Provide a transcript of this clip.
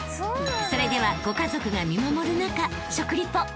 ［それではご家族が見守る中］